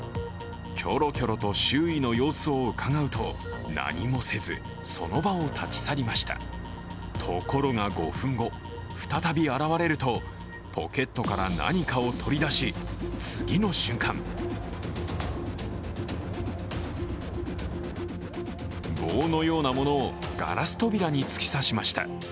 キョロキョロと周囲の様子をうかがうと、何もせず、その場を立ち去りましたところが５分後、再び現れるとポケットから何かを取り出し次の瞬間棒のようなものをガラス扉に突き刺しました。